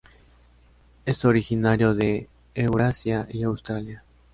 Es originario de Eurasia y Australia.